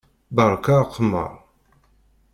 Berka aqemmeṛ!